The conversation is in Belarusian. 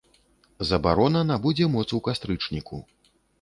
Забарона набудзе моц у кастрычніку.